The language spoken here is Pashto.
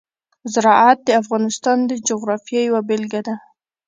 زراعت د افغانستان د جغرافیې یوه بېلګه ده.